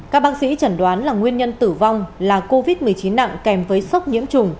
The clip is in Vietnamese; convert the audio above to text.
các bác sĩ chẩn đoán là nguyên nhân tử vong là covid một mươi chín nặng kèm với sốc nhiễm trùng